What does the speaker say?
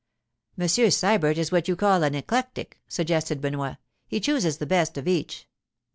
'Monsieur Sybert is what you call an eclectic,' suggested Benoit. 'He chooses the best of each.